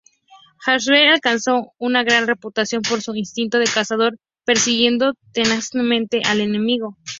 Halsey alcanzó una gran reputación por su "instinto de cazador" persiguiendo tenazmente al enemigo.